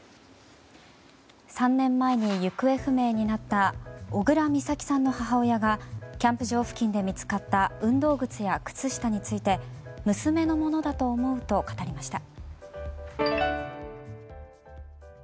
３年前に行方不明になった小倉美咲さんの母親がキャンプ場付近で見つかった運動靴や靴下について娘のものだと思うと語りました。